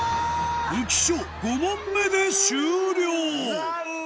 浮所５問目で終了残念！